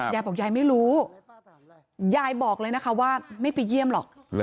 ยายบอกยายไม่รู้ยายบอกเลยนะคะว่าไม่ไปเยี่ยมหรอก